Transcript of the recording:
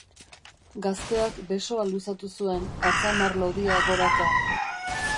Gazteak besoa luzatu zuen, atzamar lodia goraka.